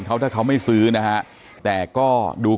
อ๋อเจ้าสีสุข่าวของสิ้นพอได้ด้วย